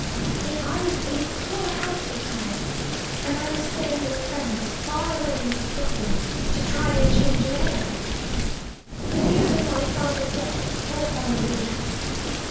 "But I was in poor health at the time; and I was staying with friends far away in Scotland, to try change of air. The news of my father's death brought on a relapse.